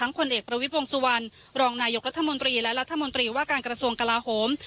ผลเอกประวิทย์วงสุวรรณรองนายกรัฐมนตรีและรัฐมนตรีว่าการกระทรวงกลาโหม